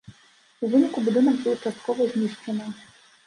У выніку будынак быў часткова знішчана.